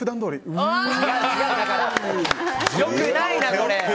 良くないな、これ。